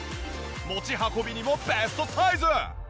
持ち運びにもベストサイズ！